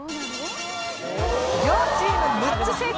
両チーム６つ正解。